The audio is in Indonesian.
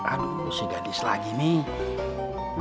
aduh si gadis lagi nih